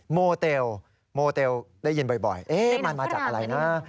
โมเตลโมเตลได้ยินบ่อยมันมาจากอะไรนะ